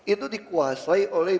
itu dikuasai oleh